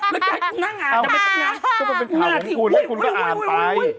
นี่คุณก็อ่านไป